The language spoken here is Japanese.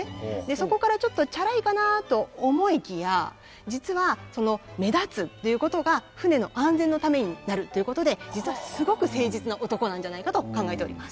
そこからちょっとチャラいかなと思いきや実はその目立つという事が船の安全のためになるという事で実はすごく誠実な男なんじゃないかと考えております。